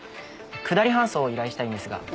くだり搬送を依頼したいんですが。